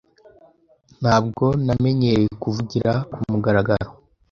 Ntabwo namenyereye kuvugira kumugaragaro.